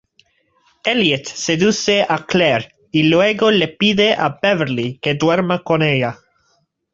Elliot seduce a Claire y luego le pide a Beverly que duerma con ella.